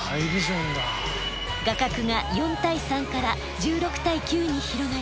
画角が４対３から１６対９に広がり画質も向上しました。